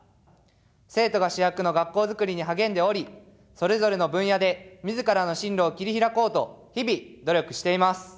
生徒が主役の学校作りに励んでおり、それぞれの分野でみずからの進路を切り開こうと日々努力しています。